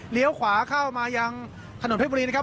เลี้ยวขวาเข้ามายังถนนเทพบุรีนะครับ